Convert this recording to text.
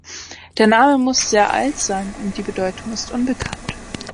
Der Name muss sehr alt sein, und die Bedeutung ist unbekannt.